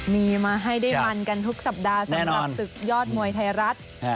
มีมาให้ได้มันกันทุกสัปดาห์สำหรับศึกยอดมวยไทยรัฐ